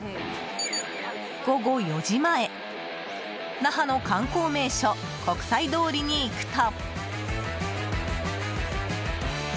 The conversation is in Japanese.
午後４時前、那覇の観光名所国際通りに行くと。